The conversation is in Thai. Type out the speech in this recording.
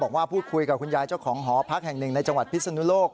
พูดคุยกับคุณยายเจ้าของหอพักแห่งหนึ่งในจังหวัดพิศนุโลก